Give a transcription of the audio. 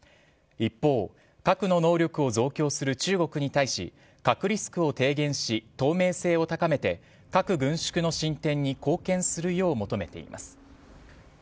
一方、核の能力を増強する中国に対し核リスクを低減し透明性を高めて核軍縮の進展に貢献するよう求めています。